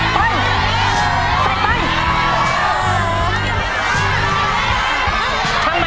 ขั้นมาขั้นมา